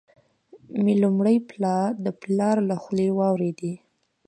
مي لومړی پلا د پلار له خولې واروېدې،